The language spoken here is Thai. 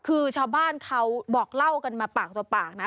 คือชาวบ้านเขาบอกเล่ากันมาปากต่อปากนะ